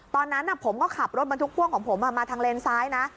ตอนนั้นผมก็ขับรถบรรทุกพ่วงของผมมาทางเลนซ้ายนะ